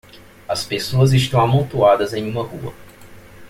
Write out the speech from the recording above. As pessoas estão amontoadas em uma rua.